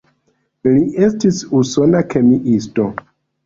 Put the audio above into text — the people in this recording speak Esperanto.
Li estis usona kemiisto.